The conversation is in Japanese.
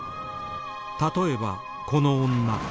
例えばこの女